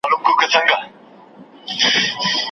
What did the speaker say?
د تقدیر لوبه روانه پر خپل پله وه